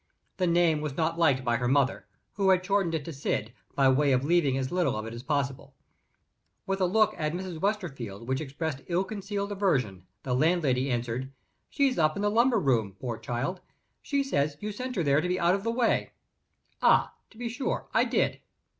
The name was not liked by her mother who had shortened it to Syd, by way of leaving as little of it as possible. With a look at Mrs. Westerfield which expressed ill concealed aversion, the landlady answered: "She's up in the lumber room, poor child. She says you sent her there to be out of the way." "Ah, to be sure, I did."